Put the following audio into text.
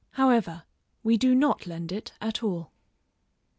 However, we do not lend it at all.